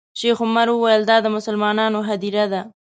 شیخ عمر وویل دا د مسلمانانو هدیره ده.